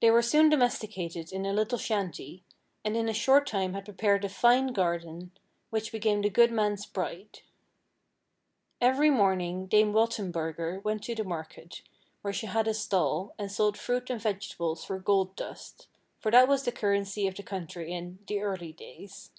They were soon domesticated in a little shanty, and in a short time had prepared a fine garden, which became the good man's pride. Every morning dame Waltenburger went to the market, where she had a stall, and sold fruit and vegetables for gold dust, for that was the currency of the country in "the early days."